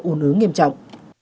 ủn ứng nghiêm trọng